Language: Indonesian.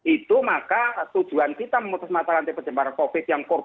itu maka tujuan kita memutus mata rantai penyebaran covid yang korban